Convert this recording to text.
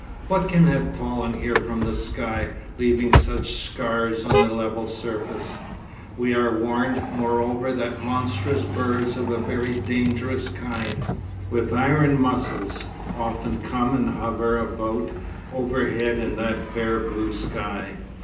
What can have fallen here from the sky, leaving such scars on the level surface? We are warned, moreover, that monstrous birds of a very dangerous kind, with iron muscles, often come and hover about overhead in that fair blue sky.